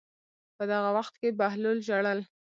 په دغه وخت کې بهلول ژړل.